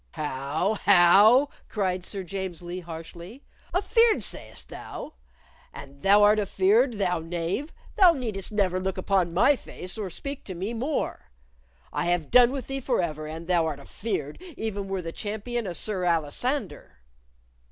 "How! how!" cried Sir James Lee, harshly. "Afeard, sayst thou? An thou art afeard, thou knave, thou needst never look upon my face or speak to me more! I have done with thee forever an thou art afeard even were the champion a Sir Alisander."